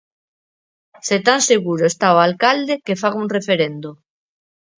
Se tan seguro está o alcalde, que faga un referendo.